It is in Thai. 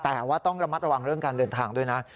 แต่ว่าต้องระมัดระวังเรื่องการเดินทางด้วยนะ